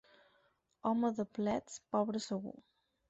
Home de plets, pobre segur.